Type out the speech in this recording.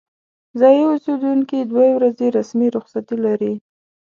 ځايي اوسیدونکي دوې ورځې رسمي رخصتي لري.